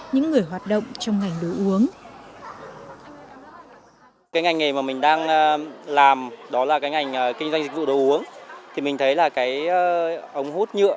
những người hoạt động trong ngành đồ uống